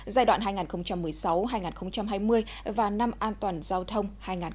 giai đoạn hai nghìn một mươi sáu hai nghìn hai mươi và năm an toàn giao thông hai nghìn hai mươi